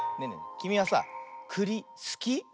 きみはさくりすき？